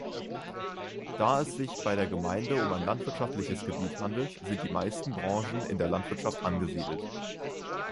Da es sich bei der Gemeinde um ein landwirtschaftliches Gebiet handelt, sind die meisten Branchen in der Landwirtschaft angesiedelt.